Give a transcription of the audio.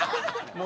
もう。